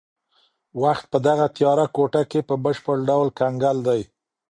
وخت په دغه تیاره کوټه کې په بشپړ ډول کنګل دی.